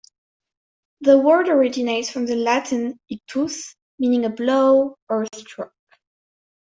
The word originates from the Latin "ictus", meaning a blow or a stroke.